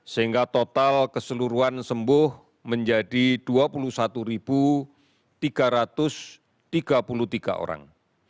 sehingga total keseluruhan sembuh menjadi dua puluh satu tiga ratus tiga puluh tiga orang